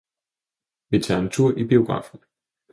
Vi tager en tur i biografen.